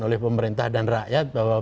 oleh pemerintah dan rakyat bahwa